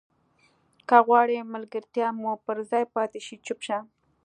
که غواړې ملګرتیا مو پر ځای پاتې شي چوپ شه.